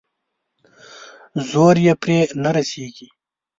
زور يې پرې نه رسېږي.